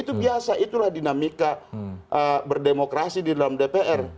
itu biasa itulah dinamika berdemokrasi di dalam dpr